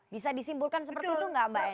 bisa disimpulkan seperti itu nggak mbak eni